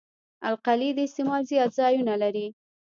القلي د استعمال زیات ځایونه لري.